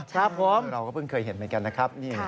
ครับผมเราก็เพิ่งเคยเห็นเหมือนกันนะครับ